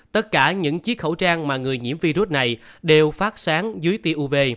tất cả những chiếc khẩu trang mà người nhiễm virus này đều phát sáng dưới tia uv